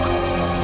yunda tidak jahat